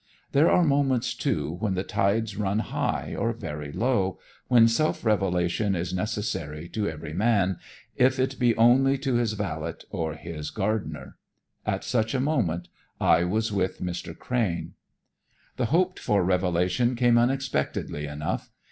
There are moments too, when the tides run high or very low, when self revelation is necessary to every man, if it be only to his valet or his gardener. At such a moment, I was with Mr. Crane. The hoped for revelation came unexpectedly enough.